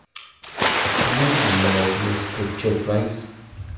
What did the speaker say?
Never mind about your Scripture prize.